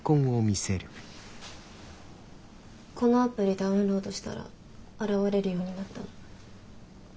このアプリダウンロードしたら現れるようになったの。